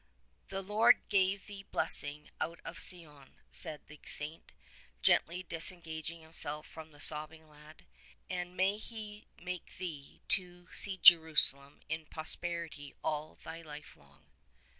"The Lord give thee blessing out of Sion," said the Saint, gently disengaging himself from the sobbing lad, "and may He make thee to see Jerusalem in prosperity all thy life long."